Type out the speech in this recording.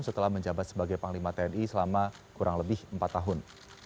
setelah menjabat sebagai panglima tni selama kurang lebih empat tahun